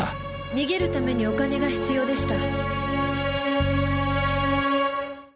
逃げるためにお金が必要でした。